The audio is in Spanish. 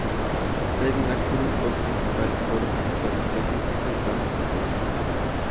Freddie Mercury: Voz principal y coros, Guitarra acústica y palmas.